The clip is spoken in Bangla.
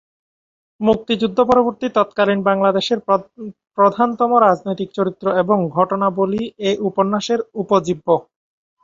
মুক্তিযুদ্ধ পরবর্তী তৎকালীন বাংলাদেশের প্রধানতম রাজনৈতিক চরিত্র এবং ঘটনাবলি এ উপন্যাসের উপজীব্য।